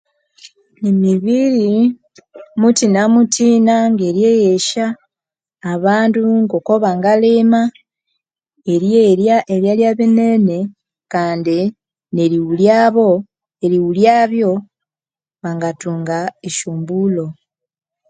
Emibiri muthina muthina ngeryeghesya abandu kubangalima neryerya ebyalya binene kandi neriwulyabo bangathunga esyombulho